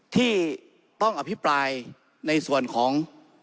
ที่ต้องอภิปรายในส่วนของ